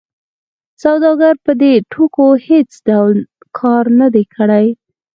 سوداګر په دې توکو هېڅ ډول کار نه دی کړی